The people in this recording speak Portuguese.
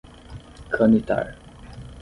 Canitar